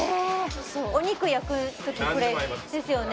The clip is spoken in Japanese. お肉焼くときもこれですよね？